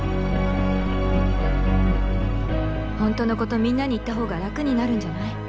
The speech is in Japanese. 本当のことみんなに言った方が楽になるんじゃない？